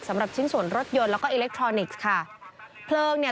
สำหรับชิ้นส่วนรถยนต์และอิเล็กทรอนิกส์ค่ะ